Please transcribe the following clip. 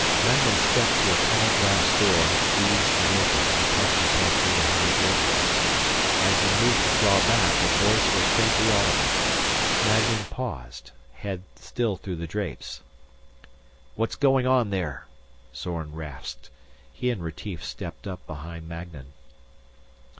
Magnan stepped to a tall glass door, eased it open and poked his head through the heavy draperies. As he moved to draw back, a voice was faintly audible. Magnan paused, head still through the drapes. "What's going on there?" Zorn rasped. He and Retief stepped up behind Magnan.